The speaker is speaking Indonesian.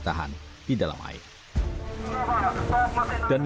namun mereka tidak menanggap